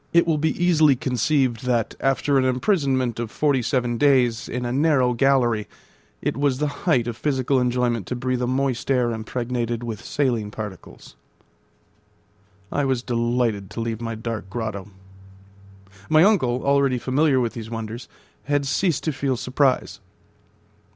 It will be easily conceived that after an imprisonment of forty seven days in a narrow gallery it was the height of physical enjoyment to breathe a moist air impregnated with saline particles. One hundred and twenty. (Trans.) I was delighted to leave my dark grotto. My uncle, already familiar with these wonders, had ceased to feel surprise.